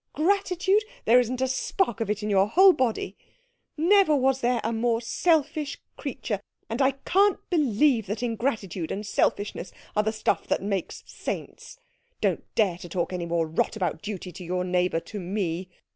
Gratitude! There isn't a spark of it in your whole body. Never was there a more selfish creature, and I can't believe that ingratitude and selfishness are the stuff that makes saints. Don't dare to talk any more rot about duty to your neighbour to me.